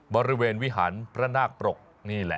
บริเวณวิหารพระนาคปรกนี่แหละ